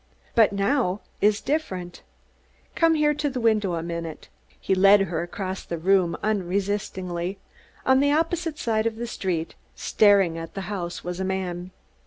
But now it is different. Come here to the window a minute." He led her across the room unresistingly. On the opposite side of the street, staring at the house, was a man.